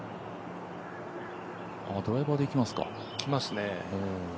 ドライバーでいきますか。